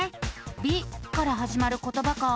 「び」からはじまることばか。